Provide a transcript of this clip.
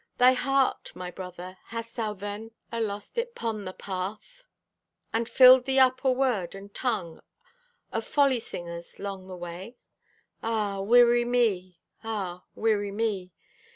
Thy heart, my brother, hast thou then Alost it 'pon the path? And filled thee up o' word and tung O' follysingers long the way? Ah, weary me, ah, weary me!